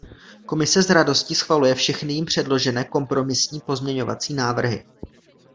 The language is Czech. Komise s radostí schvaluje všechny jím předložené kompromisní pozměňovací návrhy.